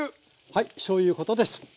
はいしょうゆうことです。